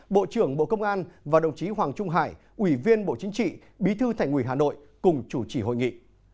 bộ trưởng bộ công an và đồng chí hoàng trung hải ủy viên bộ chính trị bí thư thành ủy hà nội cùng chủ trì hội nghị